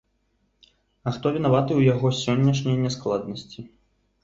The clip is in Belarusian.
А хто вінаваты ў яго сённяшняй няскладнасці?